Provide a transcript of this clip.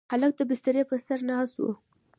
هلک د بسترې پر سر ناست و.